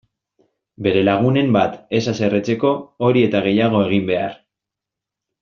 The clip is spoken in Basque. Bere lagunen bat ez haserretzeko hori eta gehiago egin behar!